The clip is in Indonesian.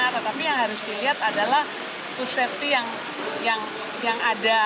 tetapi yang harus dilihat adalah to safety yang ada